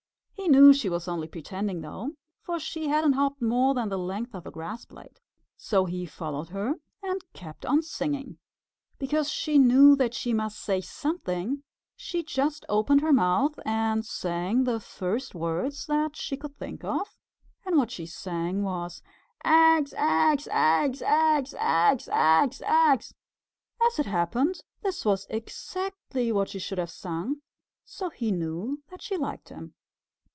He knew she was only pretending, though, for she hadn't hopped more than the length of a grass blade. So he followed her and kept on singing. Because she knew that she must say something, she just opened her mouth and sang the first words that she could think of; and what she sang was, "Eggs! Eggs! Eggs! Eggs! Eggs! Eggs! Eggs! Eggs!" As it happened, this was exactly what she should have sung, so he knew that she liked him.